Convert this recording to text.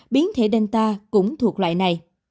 biến thể delta cũng thuộc loại này